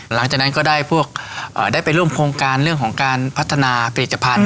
หลังจากนั้นก็ได้พวกได้ไปร่วมโครงการเรื่องของการพัฒนาผลิตภัณฑ์